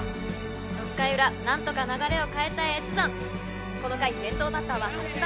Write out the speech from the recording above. ６回裏何とか流れを変えたい越山この回先頭バッターは８番